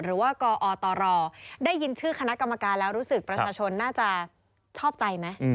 หรือว่ากอตรได้ยินชื่อคณะกรรมการแล้วรู้สึกประชาชนน่าจะชอบใจไหม